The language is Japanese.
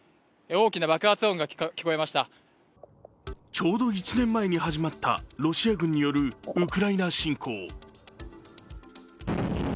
ちょうど１年前に始まったロシア軍によるウクライナ侵攻。